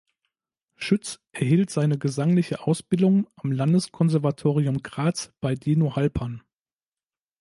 Schütz erhielt seine gesangliche Ausbildung am Landeskonservatorium Graz bei Dino Halpern.